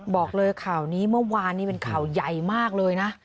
บอกเลยข่าวนี้เมื่อวานนี้เป็นข่าวใหญ่มากเลยนะ